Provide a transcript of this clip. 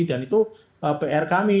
dan itu pr kami